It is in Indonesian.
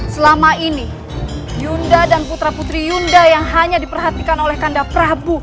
selama ini yunda dan putra putri yunda yang hanya diperhatikan oleh kanda prabu